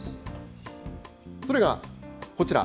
それがこちら。